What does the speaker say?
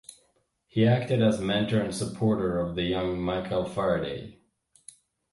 He acted as mentor and supporter of the young Michael Faraday.